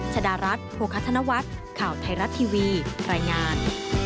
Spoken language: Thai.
ชดารัฐโภคธนวัฒน์ข่าวไทยรัฐทีวีรายงาน